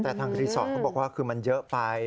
แต่ทางรีสอร์ทเขาบอกว่าคือมันเยอะไป